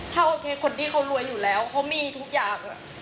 ถ้าโอเคคนที่เขารวยอยู่แล้วเขามีทุกอย่าง